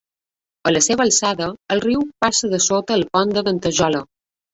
A la seva alçada, el riu passa dessota el Pont de Ventajola.